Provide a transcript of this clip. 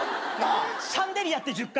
シャンデリアって１０回言って。